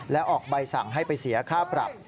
และออกใบสั่งให้ไปเสียค่าปรับ